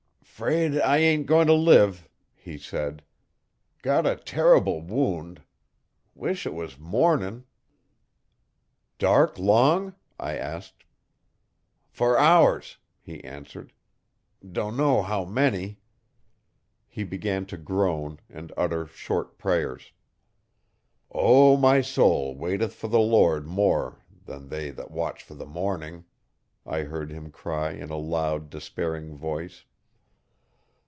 ''Fraid I ain't goin' t' live,' he said. 'Got a terrible wound. Wish it was morning.' 'Dark long?' I asked. 'For hours,' he answered. 'Dunno how many.' He began to groan and utter short prayers. 'O, my soul waiteth for the Lord more than they that watch for the morning,' I heard him cry in a loud, despairing voice.